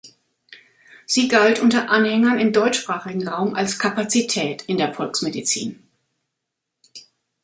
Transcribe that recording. Sie galt unter Anhängern im deutschsprachigen Raum als Kapazität in der Volksmedizin.